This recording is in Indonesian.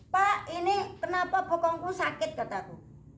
pak ini kenapa bokongku sakit kata aku